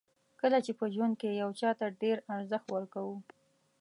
کله چې په ژوند کې یو چاته ډېر ارزښت ورکوو.